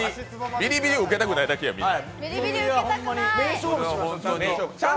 ビリビリを受けたくないだけやみんな。